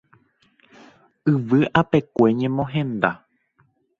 Yvy apekue ñemohenda.